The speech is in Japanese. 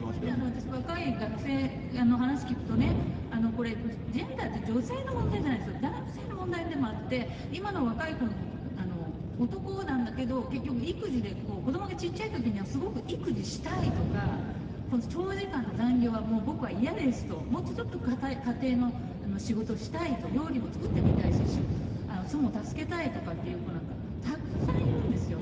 私、若い学生に話聞くとね、これ、ジェンダーって、女性の問題じゃないんですよ、男性の問題でもあって、今の若い子も、男なんだけど、結局、育児で、子どもが小っちゃいときには、すごく育児したいとか、長時間の残業はもう僕は嫌ですと、もうちょっと家庭の仕事をしたいと、料理も作ってみたいし、妻を助けたいって子なんかも、たくさんいるんですよね。